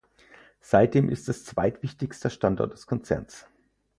Seitdem ist es zweitwichtigster Standort des Konzerns.